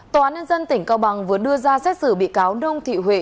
tòa án nhân dân tỉnh cao bằng vừa đưa ra xét xử bị cáo đông thị huệ